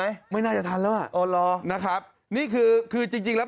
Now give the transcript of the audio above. ยังมีขายไหมไม่น่าจะทันแล้วอ่ะโอ้รอนะครับนี่คือคือจริงจริงแล้ว